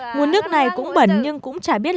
nguồn nước này cũng bẩn nhưng cũng chả biết